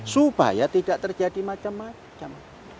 supaya tidak terjadi macam macam